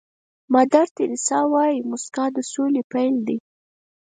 مادر تیریسا وایي موسکا د سولې پيل دی.